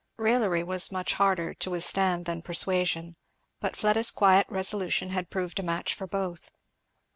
Raillery was much harder to withstand than persuasion; but Fleda's quiet resolution had proved a match for both.